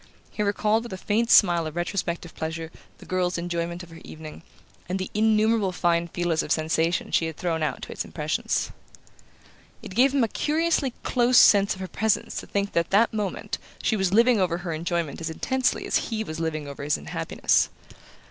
He recalled with a faint smile of retrospective pleasure the girl's enjoyment of her evening, and the innumerable fine feelers of sensation she had thrown out to its impressions. It gave him a curiously close sense of her presence to think that at that moment she was living over her enjoyment as intensely as he was living over his unhappiness.